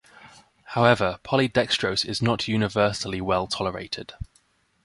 However, polydextrose is not universally well tolerated.